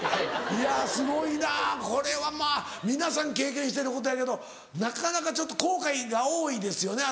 いやすごいなこれはまぁ皆さん経験してることやけどなかなかちょっと後悔が多いですよね。